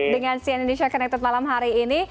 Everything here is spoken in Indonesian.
dengan cn indonesia connected malam hari ini